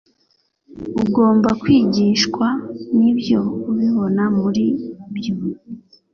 Ugomba kwigishwa Nibyo ubibona muri byo